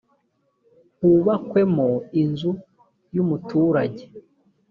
hubakwemo inzu y umuturage